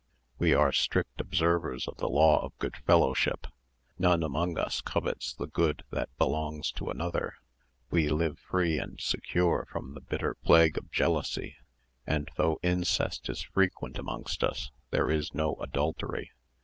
We are strict observers of the law of good fellowship; none among us covets the good that belongs to another. We live free and secure from the bitter plague of jealousy; and though incest is frequent amongst us there is no adultery.